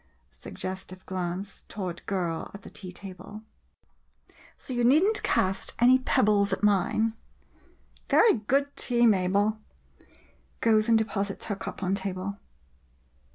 [Suggestive glance toward girl at the tea table .] So you need n't cast any pebbles at mine. Very good tea, Mabel. [Goes and deposits her cup on table.'